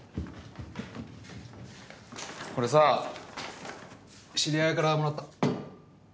これさ知り合いからもらった。